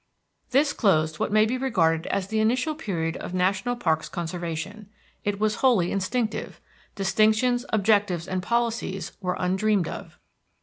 This closed what may be regarded as the initial period of national parks conservation. It was wholly instinctive; distinctions, objectives, and policies were undreamed of.